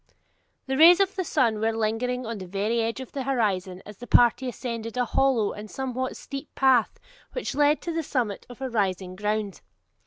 The rays of the sun were lingering on the very verge of the horizon as the party ascended a hollow and somewhat steep path which led to the summit of a rising ground.